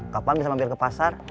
kapan bisa mampir ke pasar